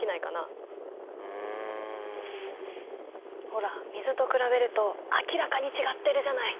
ほら水と比べると明らかに違ってるじゃない。